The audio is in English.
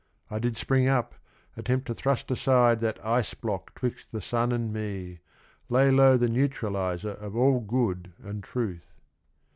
I did spring up, attempt to thrust aside That ice block 'twixt the sun and me, lay low The neutralizer of all good and truth."